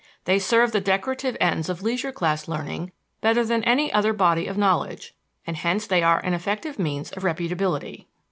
They serve the decorative ends of leisure class learning better than any other body of knowledge, and hence they are an effective means of reputability.